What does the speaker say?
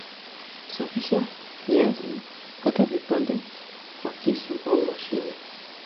Safisha viazi kata vipande kwa kisu au mashine